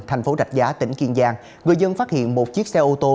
thành phố rạch giá tỉnh kiên giang người dân phát hiện một chiếc xe ô tô